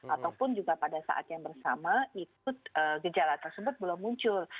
ataupun juga pada saat yang bersama itu gejala tersebut belum muncul